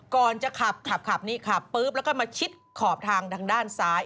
ก่อนจะขับขับนี่ขับปุ๊บแล้วก็มาชิดขอบทางทางด้านซ้าย